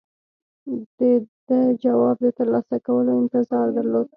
ده د جواب د ترلاسه کولو انتظار درلود.